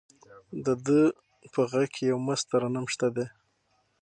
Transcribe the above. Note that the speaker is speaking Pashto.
د ده په غږ کې یو مست ترنم شته دی.